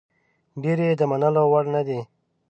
ډېرې یې د منلو وړ نه دي.